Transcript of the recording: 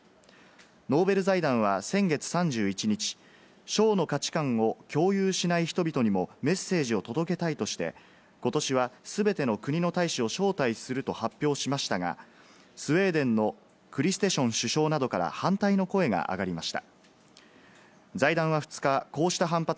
ノーベル財団は先月３１日、賞の価値観を共有しない人々にもメッセージを届けたいとして、ことしは全ての国の大使を招待すると発表しましたが、スウェーデンのクリステション首相などから反対の声が上がりました。